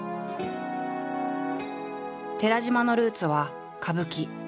寺島のルーツは歌舞伎。